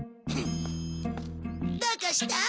どうかした？